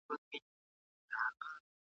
د کاغۍ کغا بیا په کوڅه کې د یوازیتوب ناره وکړه.